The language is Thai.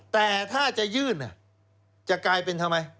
แต่ถ้าจะยื่นจะกลายเป็นทำไม